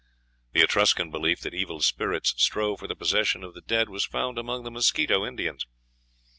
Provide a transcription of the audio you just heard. The Etruscan belief that evil spirits strove for the possession of the dead was found among the Mosquito Indians.